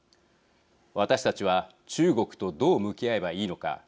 私たちは中国とどう向き合えばいいのか。